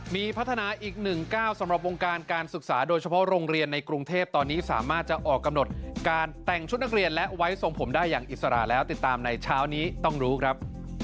มีพัฒนาอีกหนึ่งก้าวสำหรับวงการการศึกษาโดยเฉพาะโรงเรียนในกรุงเทพตอนนี้สามารถจะออกกำหนดการแต่งชุดนักเรียนและไว้ทรงผมได้อย่างอิสระแล้วติดตามในเช้านี้ต้องรู้ครับ